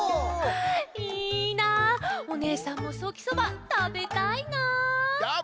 いいなあおねえさんもソーキそばたべたいな。